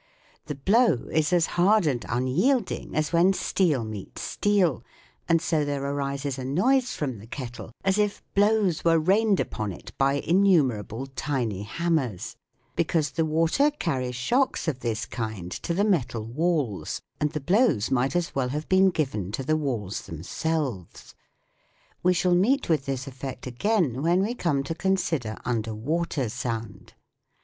The blow is as hard and unyielding as when steel meets steel, and so there arises a noise from the kettle as if blows were rained upon it by innumer able tiny hammers ; because the water carries shocks of this kind to the metal walls, and the blows might as well have been given to the walls themselves. We shall meet with this effect again when we come to consider under water sound.